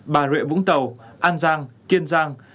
bà rệ vũng tàu an giang kiên giang